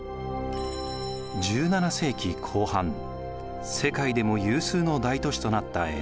１７世紀後半世界でも有数の大都市となった江戸。